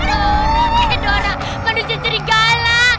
aduh ini orang manusia cerigala